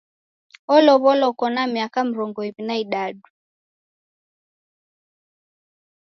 Olow'olwa uko na miaka mrongo iw'i na idadu.